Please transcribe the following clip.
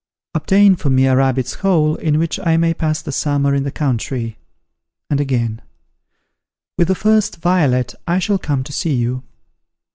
Obtain for me a rabbit's hole, in which I may pass the summer in the country." And again, "With the first violet, I shall come to see you."